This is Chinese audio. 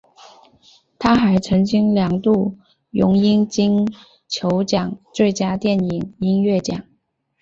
他还曾经两度荣膺金球奖最佳电影音乐奖。